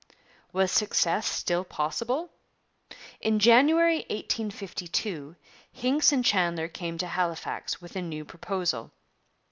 Was success still possible? In January 1852 Hincks and Chandler came to Halifax with a new proposal.